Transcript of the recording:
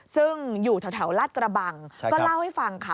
ซึ่งอยู่แถวลาดกระบังก็เล่าให้ฟังค่ะ